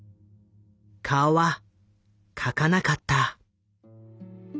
顔は描かなかった。